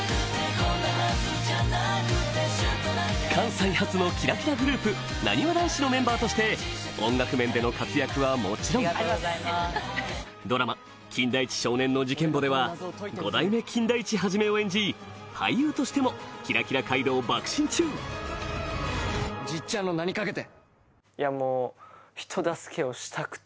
こんなはずじゃなくて関西発のキラキラグループなにわ男子のメンバーとして音楽面での活躍はもちろんドラマ『金田一少年の事件簿』では５代目金田一一を演じ俳優としてもキラキラ街道ばく進中じっちゃんの名にかけて。